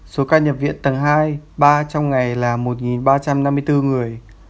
số ca nhập viện tầng hai ba trong ngày là một ba trăm năm mươi bốn người